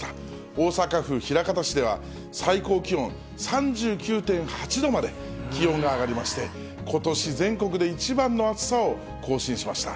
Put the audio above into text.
大阪府枚方市では、最高気温３９．８度まで気温が上がりまして、ことし全国で一番の暑さを更新しました。